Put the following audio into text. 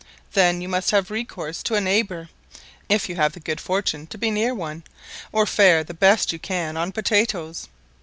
Then you must have recourse to a neighbour, if you have the good fortune to be near one, or fare the best you can on potatoes.